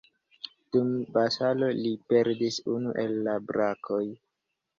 Dum batalo li perdis unu el la brakoj.